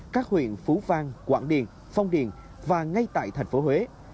các huyện phú vang quảng điền phong điền và ngay tại thành phố huế